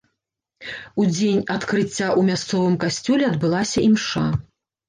У дзень адкрыцця ў мясцовым касцёле адбылася імша.